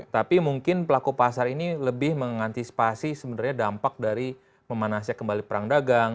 tapi mungkin pelaku pasar ini lebih mengantisipasi sebenarnya dampak dari memanasnya kembali perang dagang